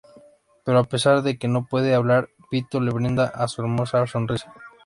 Pero a pesar de que no puede hablar, Vito le brinda su hermosa sonrisa.